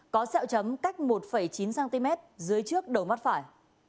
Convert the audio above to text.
có xeo chấm cách một chín cm dưới trước đầu mắt phải